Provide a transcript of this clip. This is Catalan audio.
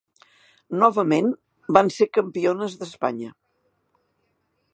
Novament van ser campiones d'Espanya.